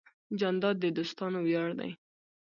جانداد د دوستانو ویاړ دی.